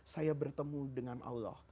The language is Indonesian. saya bertemu dengan allah